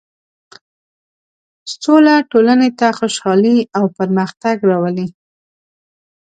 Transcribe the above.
سوله ټولنې ته خوشحالي او پرمختګ راولي.